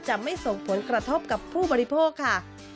จะไม่ส่งผลกระทบกับผู้บริโภคค่ะ